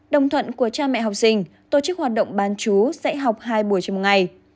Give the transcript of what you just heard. đồng thuận của cha mẹ học sinh tổ chức hoạt động bán chú sẽ học hai buổi trên một ngày